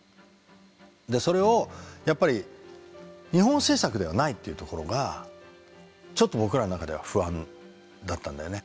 でそれをやっぱり日本制作ではないっていうところがちょっと僕らの中では不安だったんだよね。